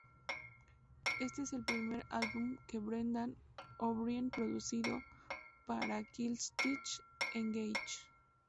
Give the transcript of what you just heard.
Este es el primer álbum que Brendan O'Brien producido para Killswitch Engage.